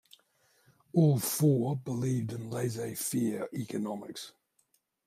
All four believed in "laissez faire" economics.